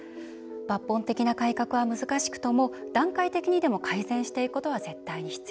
「抜本的な改革は難しくとも段階的にでも改善していくことは絶対に必要」。